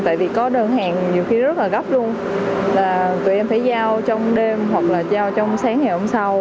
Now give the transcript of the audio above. tại vì có đơn hàng nhiều khi rất là gấp luôn là tụi em phải giao trong đêm hoặc là giao trong sáng ngày hôm sau